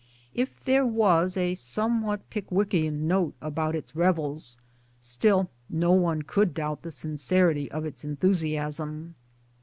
If there was a somewhat Pickwickian note about its revels still no one could doubt the sincerity of its enthusiasm.